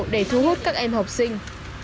để thu hút các em học sinh